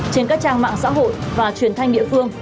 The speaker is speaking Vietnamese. trên các trang mạng xã hội và truyền thanh địa phương